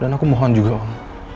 dan aku mohon juga om